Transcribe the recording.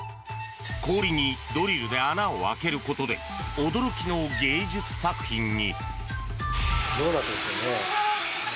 氷にドリルで穴を開けることで驚きの芸術作品に。